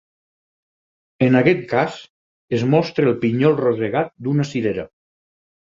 En aquest cas es mostra el pinyol rosegat d'una cirera.